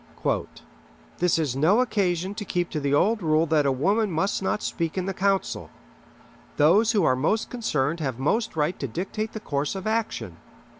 "This is no occasion to keep to the old rule that a woman must not speak in the council. Those who are most concerned have most right to dictate the course of action.